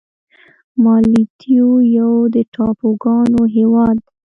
مالدیو یو د ټاپوګانو هېواد دی.